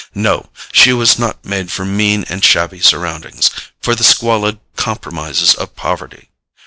No; she was not made for mean and shabby surroundings, for the squalid compromises of poverty.